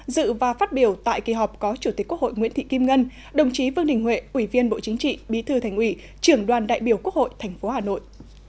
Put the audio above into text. dự và phát biểu tại kỳ họp có chủ tịch quốc hội nguyễn thị kim ngân đồng chí vương đình huệ ủy viên bộ chính trị bí thư thành ủy trưởng đoàn đại biểu quốc hội tp hà nội